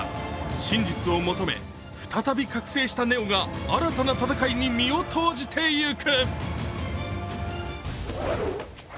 真実を求め再び覚醒したネオが新たな戦いに身を投じていく。